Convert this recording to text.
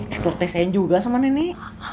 eklotek sayang juga sama nenek